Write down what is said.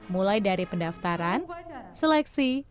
mulai dari pendaftaran seleksi